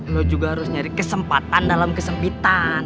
lo juga harus nyari kesempatan dalam kesempitan